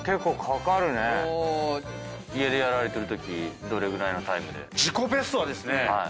家でやられてるときどれぐらいのタイムで？